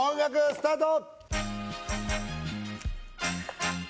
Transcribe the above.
スタート